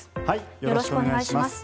よろしくお願いします。